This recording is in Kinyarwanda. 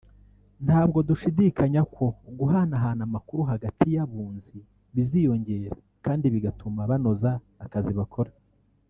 ntabwo dushidikanya ko guhanahana amakuru hagati y’Abunzi biziyongera kandi bigatuma banoza akazi bakora